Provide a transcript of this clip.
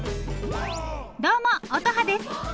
どうも乙葉です。